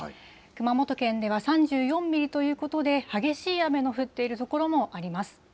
熊本県では３４ミリということで、激しい雨の降っている所もあります。